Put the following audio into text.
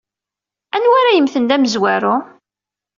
Anwa ara yemmten d amezwaru?